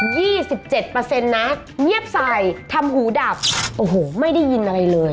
๒๗เนี่ยเงียบใส่ทำหูดับโอ้โหไม่ได้ยินอะไรเลย